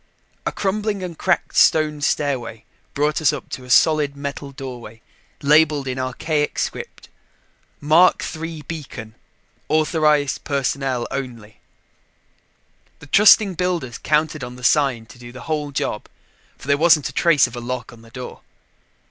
A crumbling and cracked stone stairway brought us up to a solid metal doorway labeled in archaic script MARK III BEACON AUTHORIZED PERSONNEL ONLY. The trusting builders counted on the sign to do the whole job, for there wasn't a trace of a lock on the door.